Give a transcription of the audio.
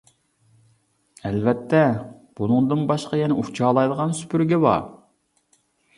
ئەلۋەتتە، بۇنىڭدىن باشقا يەنە ئۇچالايدىغان سۈپۈرگە بار.